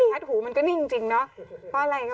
ทัดหูมันก็นิ่งจริงเนาะ